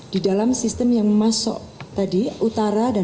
di dalam sistem yang masuk tadi utara dan